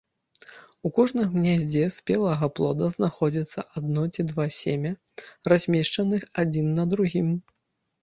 У кожным гняздзе спелага плода знаходзіцца адно ці два семя, размешчаных адзін на другім.